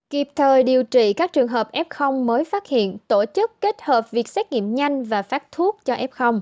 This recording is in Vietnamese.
kịp thời điều trị các trường hợp f mới phát hiện tổ chức kết hợp việc xét nghiệm nhanh và phát thuốc cho f